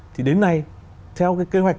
thì đến nay theo cái kế hoạch